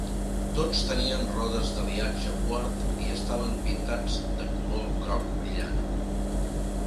Tots tenien rodes d'aliatge Ward i estaven pintats de color groc brillant.